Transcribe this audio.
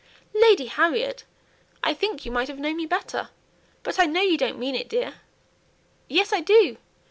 "Lady Harriet! I think you might have known me better; but I know you don't mean it, dear." "Yes, I do.